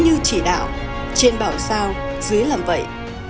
như chỉ đạo trên bảo sao dưới làm vậy